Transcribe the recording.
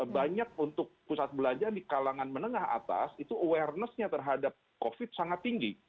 banyak untuk pusat belanja di kalangan menengah atas itu awarenessnya terhadap covid sangat tinggi